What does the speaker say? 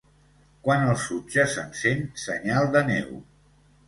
Quan el sutge s'encén, senyal de neu.